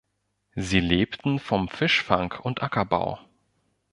Sie lebten vom Fischfang und Ackerbau.